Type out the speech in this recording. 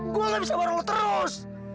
gue gak bisa bareng terus